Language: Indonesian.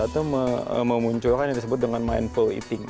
itu memunculkan yang disebut dengan mindful eating